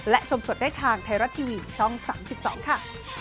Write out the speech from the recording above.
และชมสดได้ทางไทยรัฐทีวีช่อง๓๒ค่ะ